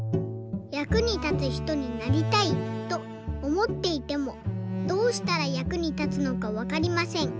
「役に立つひとになりたいとおもっていてもどうしたら役に立つのかわかりません。